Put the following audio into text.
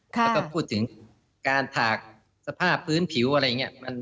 แล้วก็พูดถึงการถากสภาพพื้นผิวอะไรอย่างนี้